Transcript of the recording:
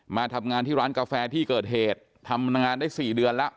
มาทำงานที่ร้านกาแฟที่เกิดเหตุทำงานได้๔เดือนแล้ว